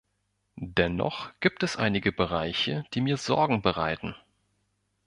Dennoch gibt es einige Bereiche, die mir Sorgen bereiten.